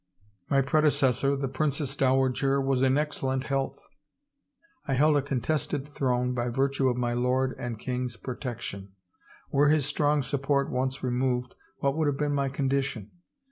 My predecessor, the Princess Dowager, was in excellent health. I held a contested throne by virtue of my lord and king's pro tection. Were his strong support once removed what would have been my condition?